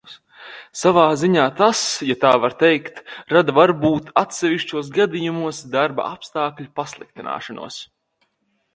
Savā ziņā tas, ja tā var teikt, rada varbūt atsevišķos gadījumos darba apstākļu pasliktināšanos.